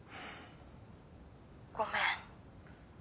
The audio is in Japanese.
ごめん。